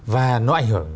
và nó ảnh hưởng